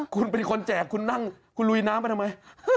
คุณเป็นคนแจกคุณรุยน้ำไปทำไม